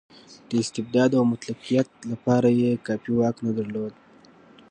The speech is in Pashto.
د استبداد او مطلقیت لپاره یې کافي واک نه درلود.